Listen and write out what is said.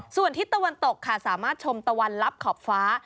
ส่วนทิศตะวันตกค่ะสามารถชมตะวันลับขอบฟ้า